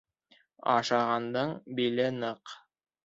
Ашағандың биле ныҡ.